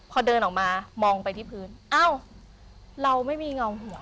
พอเดินออกมามองไปที่พื้นอ้าวเราไม่มีเงาหัว